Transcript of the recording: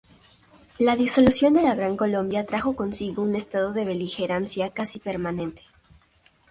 La disolución de la Gran Colombia trajo consigo un estado de beligerancia casi permanente.